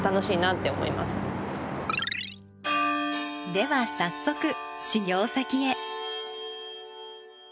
では早速修業先へ。